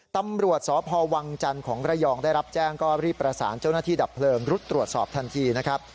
ตำรวจสพวังจันทร์ของระยองได้รับแจ้งก็รีบประสานเจ้าหน้าที่ดับเพลิงรุดตรวจสอบทันทีนะครับ